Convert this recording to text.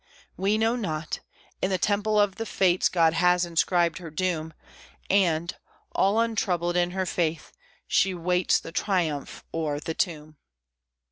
We know not; in the temple of the Fates God has inscribed her doom: And, all untroubled in her faith, she waits The triumph or the tomb.